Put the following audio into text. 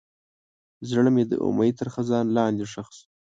زړه مې د امید تر خزان لاندې ښخ شو.